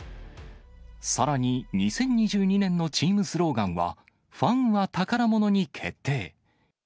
さらに、２０２２年のチームスローガンは、ファンは宝物に決定。